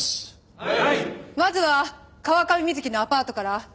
はい。